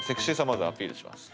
まずアピールします